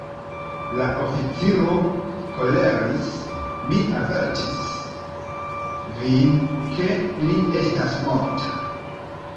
La oficiro koleris: “Mi avertis vin, ke li estas morta!